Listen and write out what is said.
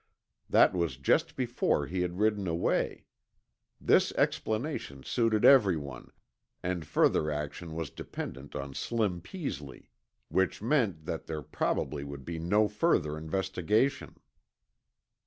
That was just before he had ridden away. This explanation suited everyone, and further action was dependent on Slim Peasley. Which meant that there probably would be no further investigation.